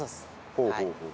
ほうほうほうほう。